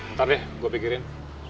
ntar deh gue pikirin